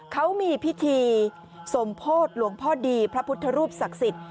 เขามีพิธีสมโพธิหลวงพ่อดีพระพุทธรูปศักดิ์สิทธิ์